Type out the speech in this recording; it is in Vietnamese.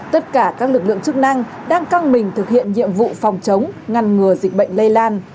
tất cả các lực lượng chức năng đang căng mình thực hiện nhiệm vụ phòng chống ngăn ngừa dịch bệnh lây lan